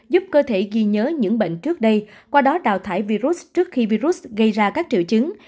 giúp cơ thể ghi nhớ những bệnh trước đây qua đó đào thải virus trước khi virus gây ra các triệu chứng